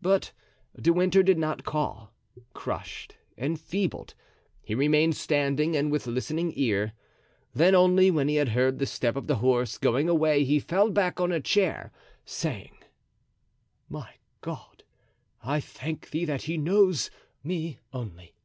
But De Winter did not call; crushed, enfeebled, he remained standing and with listening ear; then only when he had heard the step of the horse going away he fell back on a chair, saying: "My God, I thank Thee that he knows me only."